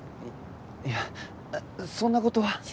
いやそんな事は。